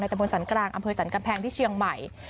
ตะบนสรรกลางอำเภอสรรกำแพงที่เชียงใหม่